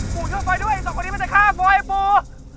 ปูช่วยฟ้ายด้วยอีกสองคนนี้มันจะฆ่าฟ้ายปู